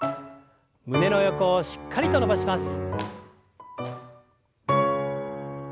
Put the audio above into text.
胸の横をしっかりと伸ばします。